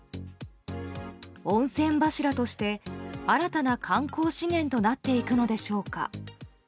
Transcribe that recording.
温泉柱として、新たな観光資源となっていくのでしょうか。